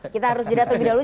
kita harus jeda terlebih dahulu